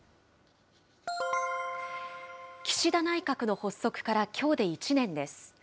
岸田内閣の発足からきょうで１年です。